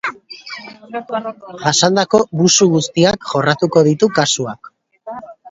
Jasandako busu guztiak jorratuko ditu kasuak.